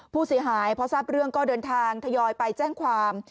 ผู้เสียหายพอทราบเรื่องก็เดินทางทยอยไปแจ้งความ